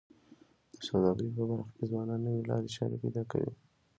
د سوداګرۍ په برخه کي ځوانان نوې لارې چارې پیدا کوي.